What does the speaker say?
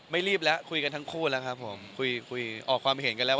ไม่รีบระคุยกันทั้งคู่แล้วครับผมออกความเห็นกันแล้ว